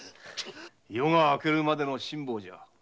夜が明けるまでの辛抱だ。